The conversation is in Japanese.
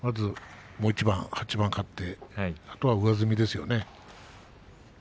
もう一番、８番勝ってあとは上積みですよね。